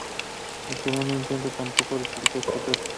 El segundo intento tampoco resultó exitoso.